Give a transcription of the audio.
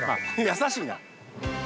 ◆優しいな！